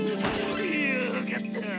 よかった！